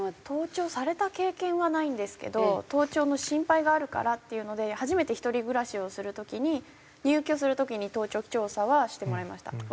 盗聴された経験はないんですけど盗聴の心配があるからっていうので初めて一人暮らしをする時に入居する時に盗聴器調査はしてもらいました。